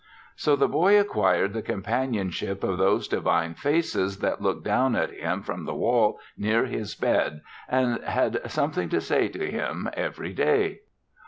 So the boy acquired the companionship of those divine faces that looked down at him from the wall near his bed and had something to say to him every day.